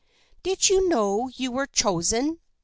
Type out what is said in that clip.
" Did you know you were chosen